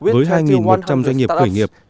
với hai một trăm linh doanh nghiệp khởi nghiệp